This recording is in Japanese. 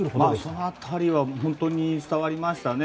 その辺りは本当に伝わりましたね。